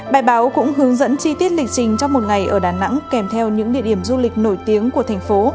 bài báo cũng hướng dẫn chi tiết lịch trình trong một ngày ở đà nẵng kèm theo những địa điểm du lịch nổi tiếng của thành phố